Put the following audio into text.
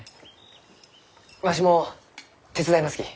わしも手伝いますき。